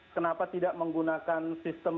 kenapa tidak menggunakan sistem